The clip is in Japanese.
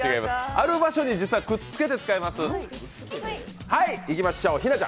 ある場所にくっつけて使います。